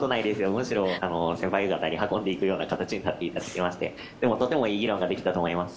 むしろ先輩方に運んでいくような形になっていただきましてでもとてもいい議論ができたと思います。